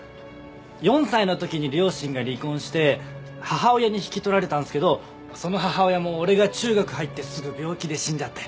４歳の時に両親が離婚して母親に引き取られたんですけどその母親も俺が中学入ってすぐ病気で死んじゃって。